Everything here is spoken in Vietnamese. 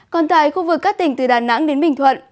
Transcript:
còn tại khu vực các tỉnh từ đà nẵng đến bình thuận